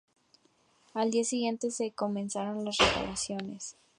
Al día siguiente se comenzaron las reparaciones.